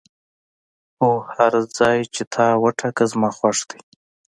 هو، هر ځای چې تا وټاکه زما خوښ دی.